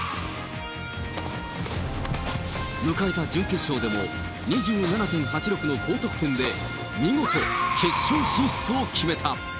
迎えた準決勝でも２７．８６の高得点で、見事、決勝進出を決めた。